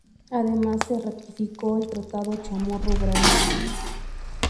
Además, se ratificó el Tratado Chamorro-Bryan.